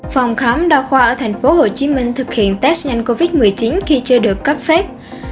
phòng khám đa khoa ở thành phố hồ chí minh thực hiện test nhanh covid một mươi chín khi chưa được cấp phép